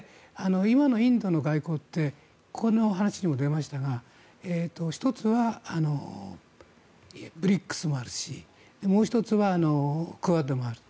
今のインドの外交ってこの話にも出ましたが１つは、ＢＲＩＣＳもあるしもう１つはクアッドもある。